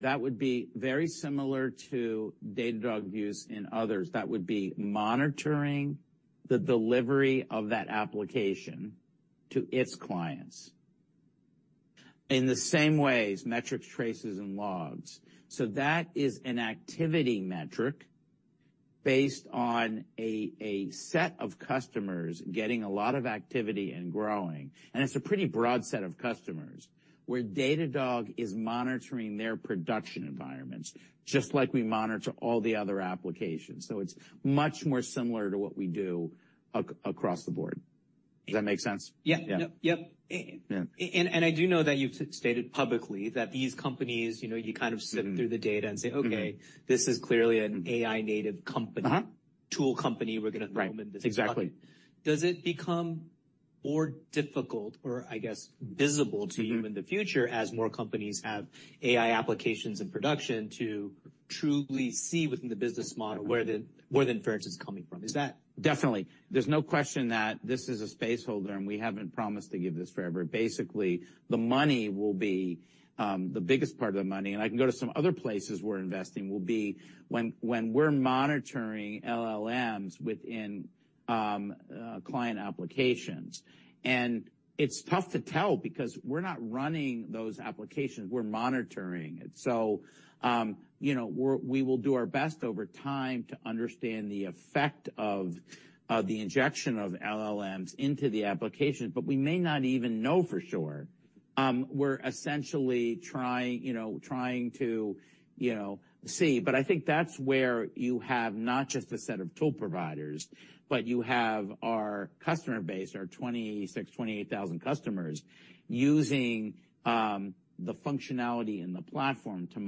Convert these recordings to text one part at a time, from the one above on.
...That would be very similar to Datadog use in others. That would be monitoring the delivery of that application to its clients in the same ways, metrics, traces, and logs. So that is an activity metric based on a, a set of customers getting a lot of activity and growing, and it's a pretty broad set of customers, where Datadog is monitoring their production environments, just like we monitor all the other applications. So it's much more similar to what we do across the board. Does that make sense? Yeah. Yeah. No, yep. Yeah. I do know that you've stated publicly that these companies, you know, you kind of- Mm-hmm sift through the data and say Mm-hmm Okay, this is clearly an AI native company. Uh-huh. Tool company. We're gonna name them- Right. Exactly. Does it become more difficult or, I guess, visible to you? Mm-hmm -in the future as more companies have AI applications in production to truly see within the business model where the inference is coming from? Is that- Definitely. There's no question that this is a placeholder, and we haven't promised to give this forever. Basically, the money will be the biggest part of the money, and I can go to some other places we're investing, will be when we're monitoring LLMs within client applications. And it's tough to tell because we're not running those applications, we're monitoring it. So, you know, we will do our best over time to understand the effect of the injection of LLMs into the application, but we may not even know for sure. We're essentially trying, you know, trying to, you know, see. But I think that's where you have not just a set of tool providers, but you have our customer base, our 26,000-28,000 customers, using the functionality in the platform to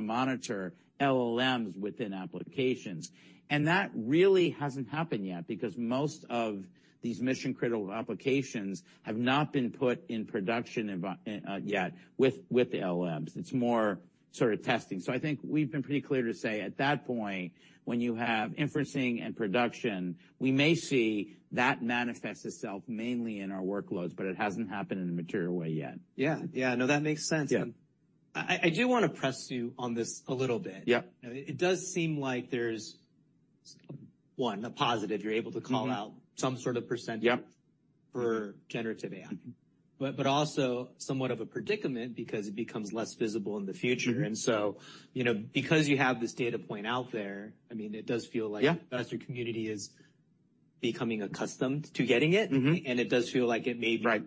monitor LLMs within applications. And that really hasn't happened yet because most of these mission-critical applications have not been put in production environments yet with the LLMs. It's more sort of testing. So I think we've been pretty clear to say, at that point, when you have inferencing and production, we may see that manifest itself mainly in our workloads, but it hasn't happened in a material way yet. Yeah. Yeah, no, that makes sense. Yeah. I do wanna press you on this a little bit. Yeah. It does seem like there's one, a positive. Mm-hmm. You're able to call out some sort of percentage- Yeah -for generative AI. But also somewhat of a predicament because it becomes less visible in the future. Mm-hmm. And so, you know, because you have this data point out there, I mean, it does feel like- Yeah ...the investor community is becoming accustomed to getting it. Mm-hmm. It does feel like it may be- Right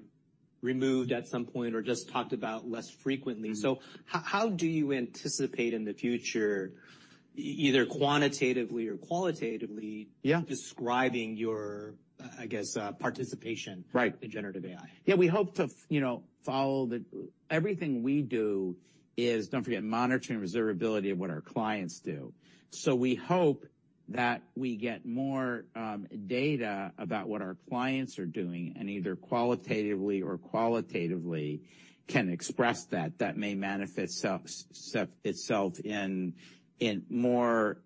-removed at some point or just talked about less frequently. Mm-hmm. How do you anticipate in the future, either quantitatively or qualitatively? Yeah -describing your, I guess, participation- Right in generative AI? Yeah, we hope to, you know, follow the... Everything we do is, don't forget, monitoring observability of what our clients do. So we hope that we get more data about what our clients are doing, and either qualitatively or qualitatively can express that. That may manifest itself in, in more,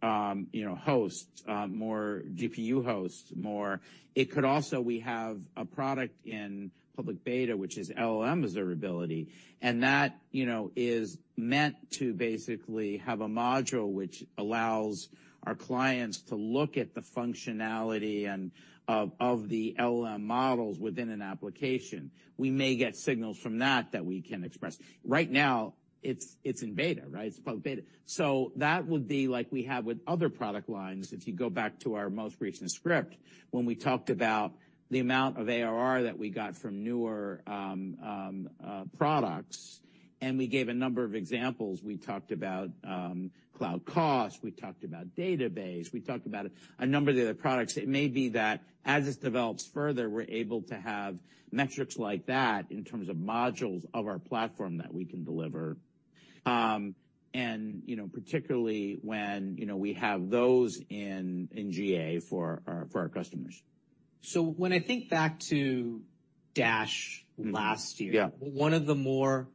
you know, hosts, more GPU hosts, more... It could also. We have a product in public beta, which is LLM Observability, and that, you know, is meant to basically have a module which allows our clients to look at the functionality and of, of the LLM models within an application. We may get signals from that that we can express. Right now, it's in beta, right? It's public beta. So that would be like we have with other product lines, if you go back to our most recent script, when we talked about the amount of ARR that we got from newer products, and we gave a number of examples. We talked about cloud cost, we talked about database, we talked about a number of the other products. It may be that as this develops further, we're able to have metrics like that in terms of modules of our platform that we can deliver. And, you know, particularly when, you know, we have those in GA for our customers. So when I think back to Datadog last year- Mm-hmm. Yeah... one of the more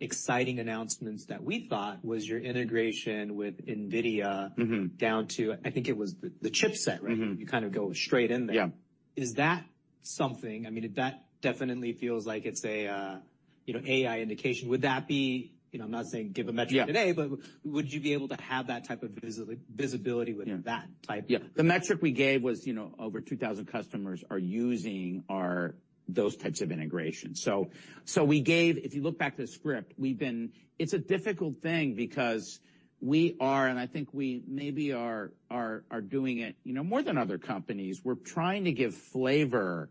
exciting announcements that we thought was your integration with NVIDIA- Mm-hmm down to, I think it was the, the chipset, right? Mm-hmm. You kind of go straight in there. Yeah. Is that something... I mean, that definitely feels like it's a, you know, AI indication. Would that be, you know, I'm not saying give a metric today- Yeah... but would you be able to have that type of visibility? Yeah with that type? Yeah. The metric we gave was, you know, over 2,000 customers are using our, those types of integrations. So we gave, if you look back to the script, we've been. It's a difficult thing because we are, and I think we maybe are doing it, you know, more than other companies. We're trying to give flavor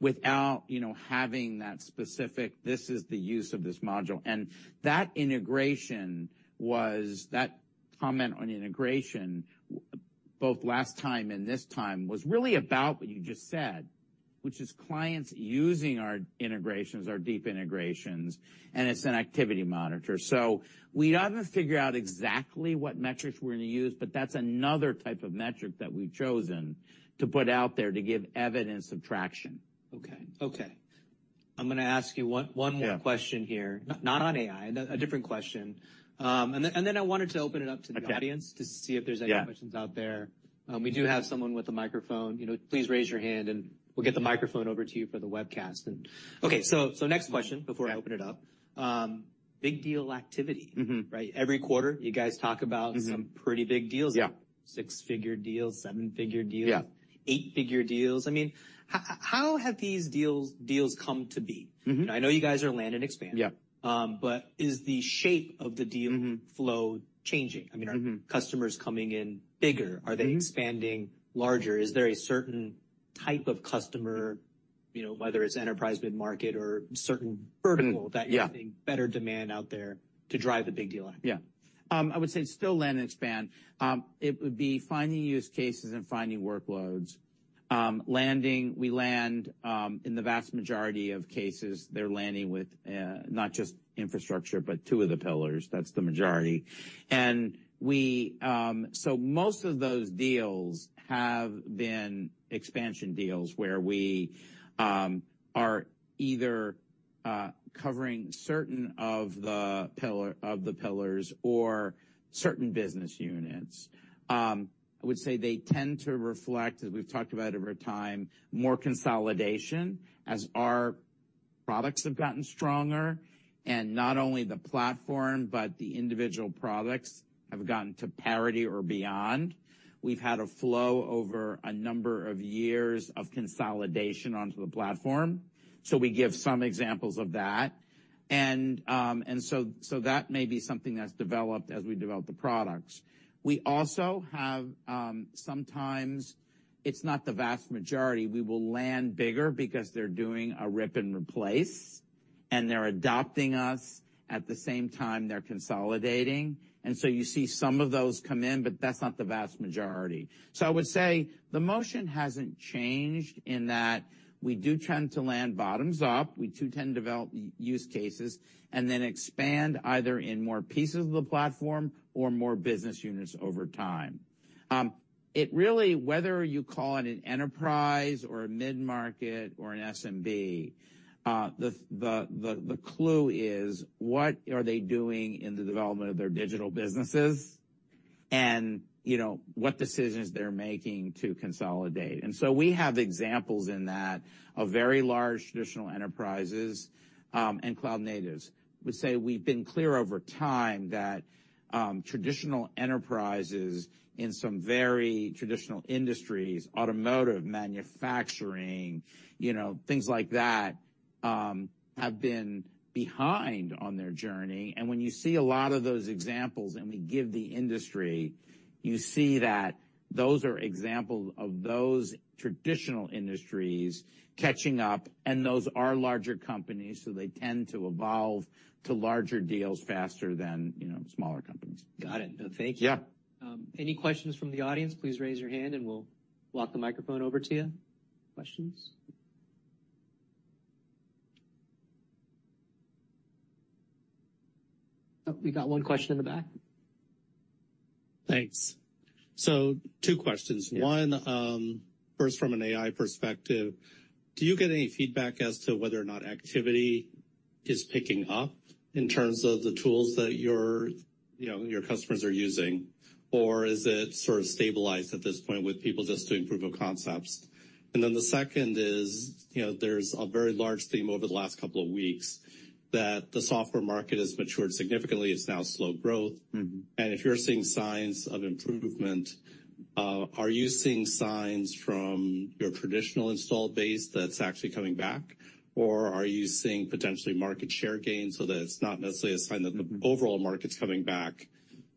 without, you know, having that specific, "This is the use of this module." And that integration was, that comment on integration, both last time and this time, was really about what you just said, which is clients using our integrations, our deep integrations, and it's an activity monitor. So we gotta figure out exactly what metrics we're gonna use, but that's another type of metric that we've chosen to put out there to give evidence of traction. Okay. Okay. I'm gonna ask you one- Yeah One more question here, not, not on AI, a different question. And then, and then I wanted to open it up to the audience. Okay -to see if there's any questions out there. Yeah. We do have someone with a microphone. You know, please raise your hand, and we'll get the microphone over to you for the webcast. And okay, so next question before I open it up. Yeah.... big deal activity. Mm-hmm. Right? Every quarter, you guys talk about- Mm-hmm. some pretty big deals. Yeah. 6-figure deals, 7-figure deals- Yeah. Eight-figure deals. I mean, how have these deals come to be? Mm-hmm. I know you guys are land and expand. Yeah. But is the shape of the deal? Mm-hmm -flow changing? Mm-hmm. I mean, are customers coming in bigger? Mm-hmm. Are they expanding larger? Is there a certain type of customer, you know, whether it's enterprise, mid-market, or certain vertical- Mm. Yeah that you're seeing better demand out there to drive the big deal out? Yeah. I would say it's still land and expand. It would be finding use cases and finding workloads. Landing, we land in the vast majority of cases, they're landing with not just infrastructure, but two of the pillars. That's the majority. So most of those deals have been expansion deals, where we are either covering certain of the pillars or certain business units. I would say they tend to reflect, as we've talked about over time, more consolidation as our products have gotten stronger, and not only the platform, but the individual products have gotten to parity or beyond. We've had a flow over a number of years of consolidation onto the platform, so we give some examples of that. So that may be something that's developed as we develop the products. We also have, sometimes, it's not the vast majority, we will land bigger because they're doing a rip and replace, and they're adopting us at the same time they're consolidating, and so you see some of those come in, but that's not the vast majority. So I would say the motion hasn't changed in that we do tend to land bottoms up. We do tend to develop use cases and then expand either in more pieces of the platform or more business units over time. It really, whether you call it an enterprise or a mid-market or an SMB, the clue is, what are they doing in the development of their digital businesses? And, you know, what decisions they're making to consolidate. And so we have examples in that of very large traditional enterprises, and cloud natives. I would say we've been clear over time that, traditional enterprises in some very traditional industries, automotive, manufacturing, you know, things like that, have been behind on their journey. When you see a lot of those examples, and we give the industry, you see that those are examples of those traditional industries catching up, and those are larger companies, so they tend to evolve to larger deals faster than, you know, smaller companies. Got it. Thank you. Yeah. Any questions from the audience? Please raise your hand, and we'll walk the microphone over to you. Questions? Oh, we got one question in the back. Thanks. So two questions. Yeah. One, first, from an AI perspective, do you get any feedback as to whether or not activity is picking up in terms of the tools that your, you know, your customers are using? Or is it sort of stabilized at this point with people just doing proof of concepts? And then the second is, you know, there's a very large theme over the last couple of weeks that the software market has matured significantly. It's now slow growth. Mm-hmm. If you're seeing signs of improvement, are you seeing signs from your traditional installed base that's actually coming back, or are you seeing potentially market share gains so that it's not necessarily a sign that the overall market's coming back,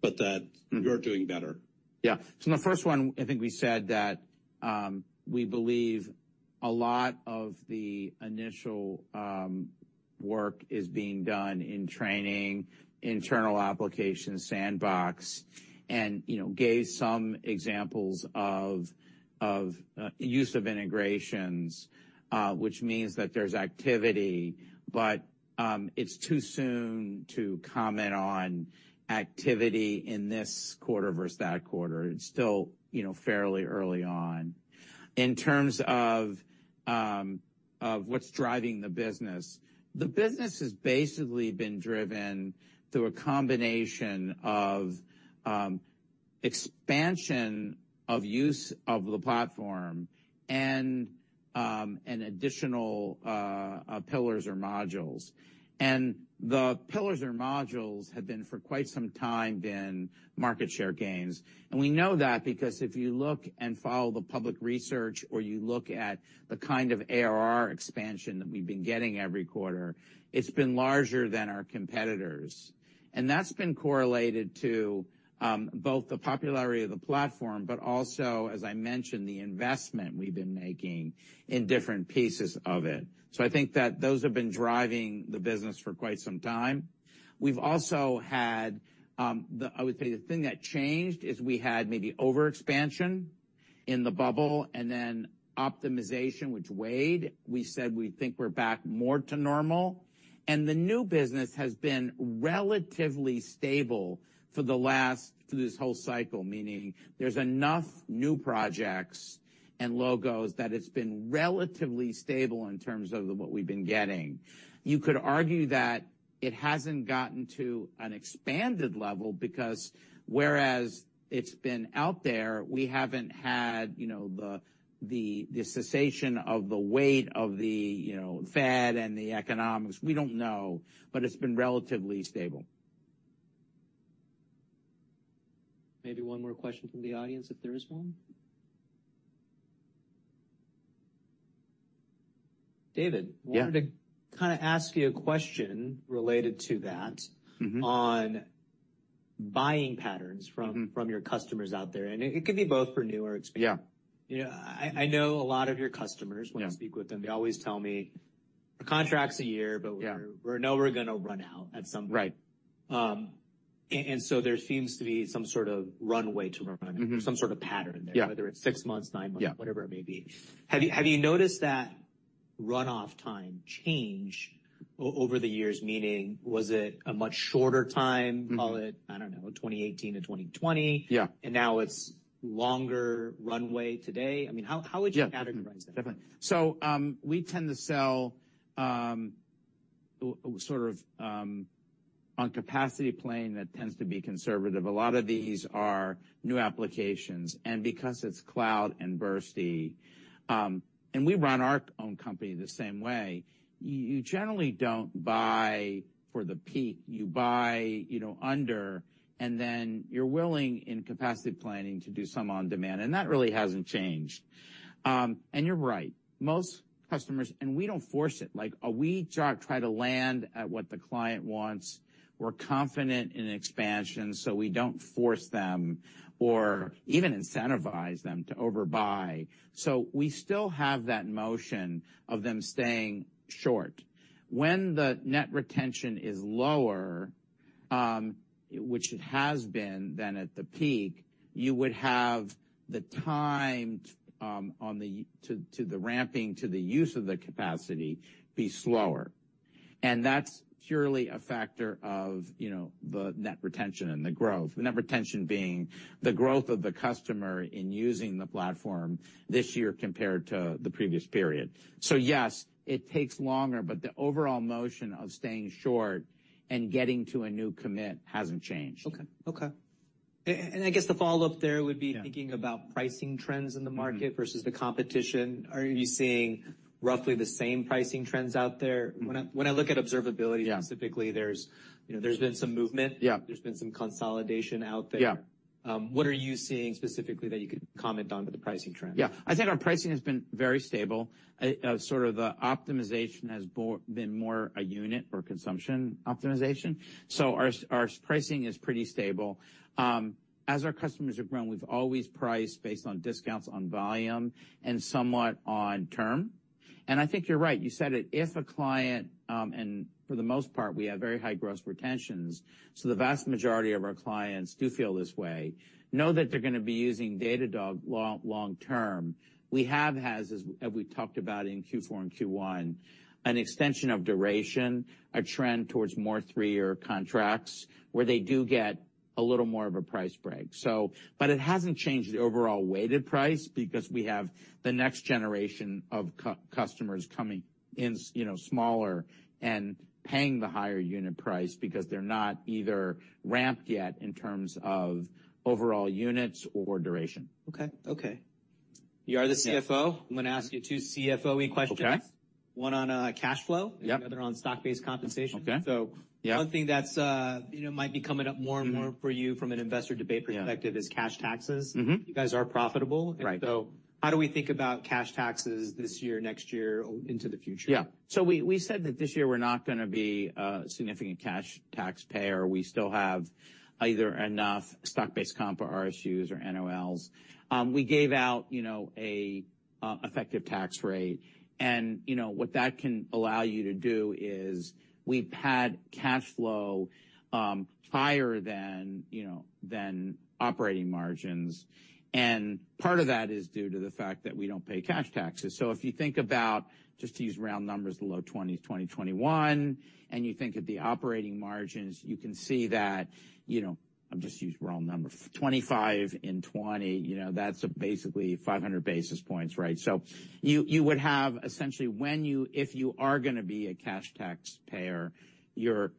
but that- Mm-hmm You're doing better? Yeah. So the first one, I think we said that we believe a lot of the initial work is being done in training, internal application, sandbox, and, you know, gave some examples of use of integrations, which means that there's activity. But it's too soon to comment on activity in this quarter versus that quarter. It's still, you know, fairly early on. In terms of what's driving the business, the business has basically been driven through a combination of expansion of use of the platform and additional pillars or modules. And the pillars or modules have been, for quite some time, market share gains. We know that because if you look and follow the public research or you look at the kind of ARR expansion that we've been getting every quarter, it's been larger than our competitors. That's been correlated to both the popularity of the platform, but also, as I mentioned, the investment we've been making in different pieces of it. So I think that those have been driving the business for quite some time. We've also had. I would say the thing that changed is we had maybe overexpansion in the bubble, and then optimization, which weighed. We said we think we're back more to normal. The new business has been relatively stable for this whole cycle, meaning there's enough new projects and logos that it's been relatively stable in terms of what we've been getting. You could argue that it hasn't gotten to an expanded level because whereas it's been out there, we haven't had, you know, the cessation of the weight of the, you know, Fed and the economics. We don't know, but it's been relatively stable. ... Maybe one more question from the audience, if there is one? David. Yeah. Wanted to kind of ask you a question related to that- Mm-hmm. on buying patterns from, Mm-hmm. From your customers out there, and it could be both for new or experienced. Yeah. You know, I know a lot of your customers- Yeah when I speak with them, they always tell me, "The contract's a year- Yeah But we're, we know we're gonna run out at some point. Right. There seems to be some sort of runway to run. Mm-hmm. Some sort of pattern there. Yeah. Whether it's 6 months, 9 months- Yeah whatever it may be. Have you, have you noticed that runoff time change over the years? Meaning, was it a much shorter time- Mm-hmm Call it, I don't know, 2018 to 2020? Yeah. Now it's longer runway today? I mean, how would you- Yeah -categorize that? Definitely. So, we tend to sell, sort of, on capacity planning that tends to be conservative. A lot of these are new applications, and because it's cloud and bursty... And we run our own company the same way, you generally don't buy for the peak. You buy, you know, under, and then you're willing, in capacity planning, to do some on demand, and that really hasn't changed. And you're right, most customers... And we don't force it. Like, we try to land at what the client wants. We're confident in expansion, so we don't force them or even incentivize them to overbuy. So we still have that motion of them staying short. When the net retention is lower, which it has been than at the peak, you would have the time on the y-axis to the ramping to the use of the capacity be slower, and that's purely a factor of, you know, the net retention and the growth. The net retention being the growth of the customer in using the platform this year compared to the previous period. So yes, it takes longer, but the overall motion of staying short and getting to a new commit hasn't changed. Okay. And I guess the follow-up there would be- Yeah -thinking about pricing trends in the market- Mm-hmm -versus the competition. Are you seeing roughly the same pricing trends out there? Mm-hmm. When I look at observability- Yeah Specifically, there's, you know, there's been some movement. Yeah. There's been some consolidation out there. Yeah. What are you seeing specifically that you could comment on to the pricing trend? Yeah. I think our pricing has been very stable. Sort of the optimization has been more a unit or consumption optimization, so our pricing is pretty stable. As our customers have grown, we've always priced based on discounts on volume and somewhat on term. And I think you're right, you said it. If a client... And for the most part, we have very high gross retentions, so the vast majority of our clients do feel this way, know that they're gonna be using Datadog long term. We have, as we talked about in Q4 and Q1, an extension of duration, a trend towards more three-year contracts, where they do get a little more of a price break, so. But it hasn't changed the overall weighted price, because we have the next generation of customers coming in, you know, smaller, and paying the higher unit price, because they're not either ramped yet in terms of overall units or duration. Okay. Okay. You are the CFO. Yeah. I'm gonna ask you two CFO-y questions. Okay. One on cash flow- Yep -and the other on stock-based compensation. Okay. So- Yeah ... one thing that's, you know, might be coming up more- Mm-hmm and more for you from an investor debate perspective. Yeah is cash taxes. Mm-hmm. You guys are profitable. Right. So how do we think about cash taxes this year, next year, or into the future? Yeah. So we said that this year we're not gonna be a significant cash taxpayer. We still have either enough stock-based comp or RSUs or NOLs. We gave out, you know, an effective tax rate, and, you know, what that can allow you to do is, we've had cash flow higher than, you know, than operating margins, and part of that is due to the fact that we don't pay cash taxes. So if you think about, just to use round numbers, the low twenties, 20, 21, and you think of the operating margins, you can see that, you know, I'll just use round number, 25 and 20, you know, that's basically 500 basis points, right? So you would have essentially, if you are gonna be a cash taxpayer, your ratio,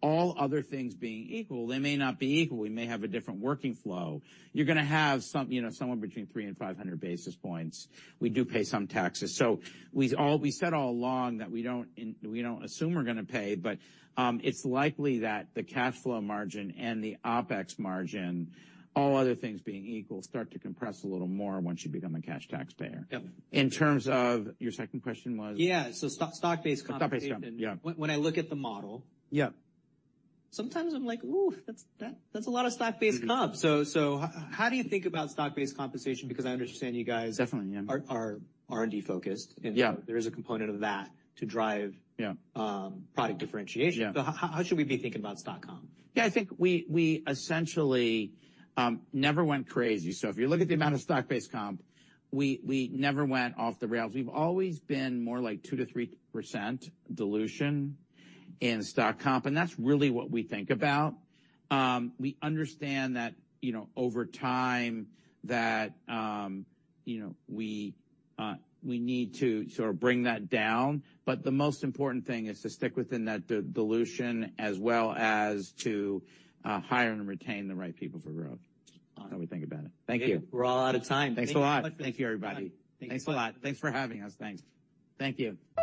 all other things being equal, they may not be equal, we may have a different working flow, you're gonna have some, you know, somewhere between 300-500 basis points. We do pay some taxes. So we all... We said all along that we don't—we don't assume we're gonna pay, but it's likely that the cash flow margin and the OpEx margin, all other things being equal, start to compress a little more once you become a cash taxpayer. Yep. In terms of... Your second question was? Yeah, so stock, stock-based compensation. Stock-based comp, yeah. When I look at the model- Yeah... sometimes I'm like, "Ooh, that's, that's a lot of stock-based comp. Mm-hmm. So, how do you think about stock-based compensation? Because I understand you guys- Definitely, yeah... are R&D focused. Yeah. There is a component of that to drive- Yeah product differentiation. Yeah. How should we be thinking about stock comp? Yeah, I think we essentially never went crazy. So if you look at the amount of stock-based comp, we never went off the rails. We've always been more like 2%-3% dilution in stock comp, and that's really what we think about. We understand that, you know, over time, that, you know, we need to sort of bring that down, but the most important thing is to stick within that dilution, as well as to hire and retain the right people for growth. Awesome. How we think about it. Thank you. We're all out of time. Thanks a lot. Thank you much. Thank you, everybody. Thanks. Thanks a lot. Thanks for having us. Thanks. Thank you.